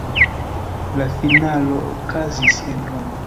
La finalo okazis en Romo.